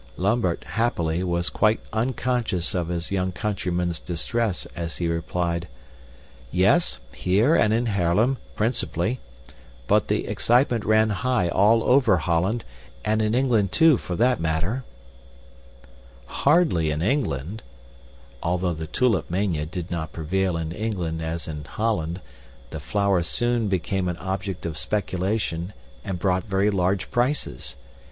Lambert, happily, was quite unconscious of his young countryman's distress as he replied, "Yes, here and in Haarlem, principally; but the excitement ran high all over Holland, and in England too for that matter." "Hardly in England, I think," said Ben, "but I am not sure, as I was not thereat the time." *{Although the Tulip Mania did not prevail in England as in Holland, the flower soon became an object of speculation and brought very large prices.